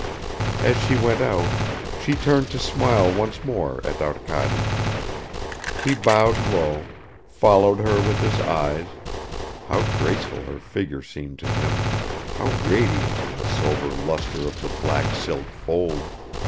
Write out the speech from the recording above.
As she went out, she turned to smile once more at Arkady. He bowed low, followed her with his eyes (how graceful her figure seemed to him, how radiant in the sober luster of the black silk folds!)